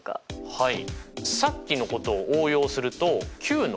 はい。